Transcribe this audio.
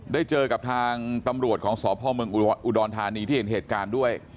ได้เจอกับทางตำรวจของสพเมืองอุดรธานีที่เห็นเหตุการณ์ด้วย